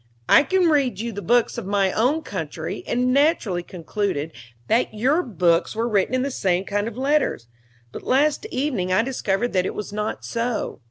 "I can read the books of my own country, and naturally concluded that your books were written in the same kind of letters; but last evening I discovered that it was not so.